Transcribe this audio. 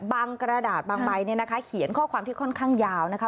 กระดาษบางใบเนี่ยนะคะเขียนข้อความที่ค่อนข้างยาวนะคะ